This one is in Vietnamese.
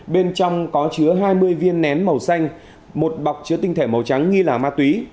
bên trong có chứa hai mươi viên nén màu xanh một bọc chứa tinh thể màu trắng nghi là ma túy